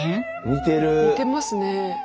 似てますね。